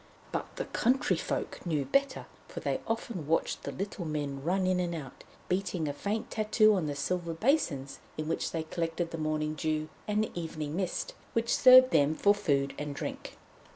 But the country folk knew better, for they often watched the little men run in and out, beating a faint tattoo on the silver basins in which they collected the morning dew and the evening mist, which served them for food and drink.